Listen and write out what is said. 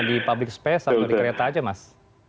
di public space atau di kereta aja mas